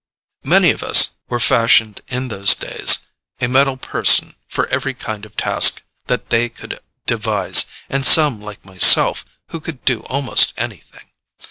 Many of us were fashioned in those days, a metal person for every kind of task that they could devise, and some, like myself, who could do almost anything.